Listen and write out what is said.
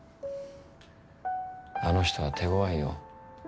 あの人は手ごわいよ。